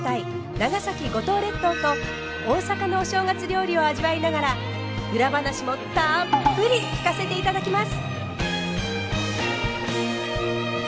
長崎・五島列島と大阪のお正月料理を味わいながら裏話もたっぷり聞かせていただきます。